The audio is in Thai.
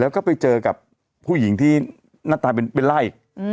แล้วก็ไปเจอกับผู้หญิงที่หน้าตาเป็นไล่